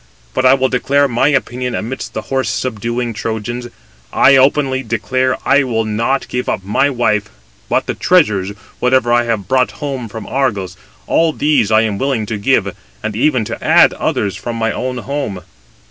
But I will declare my opinion amidst the horse subduing Trojans; I openly declare I will not give up my wife: but the treasures, whatever I have brought home from Argos, all these I am willing to give, and even to add others from my own home."